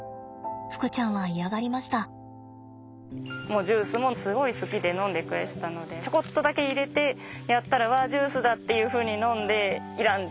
もうジュースもすごい好きで飲んでくれてたのでちょこっとだけ入れてやったら「わあジュースだ！」っていうふうに飲んで要らん。